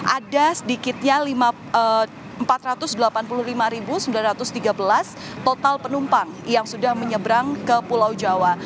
ada sedikitnya empat ratus delapan puluh lima sembilan ratus tiga belas total penumpang yang sudah menyeberang ke pulau jawa